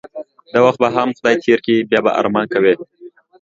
دا وخت به هم خدای تیر کړی بیا به ارمان کوی